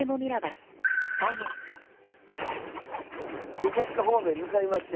横須賀方面へ向かいまして。